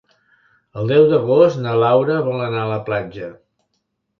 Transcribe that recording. El deu d'agost na Laura vol anar a la platja.